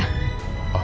oh ya baik bu